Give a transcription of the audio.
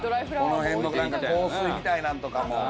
香水みたいなんとかも。